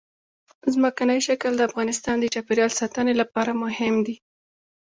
ځمکنی شکل د افغانستان د چاپیریال ساتنې لپاره مهم دي.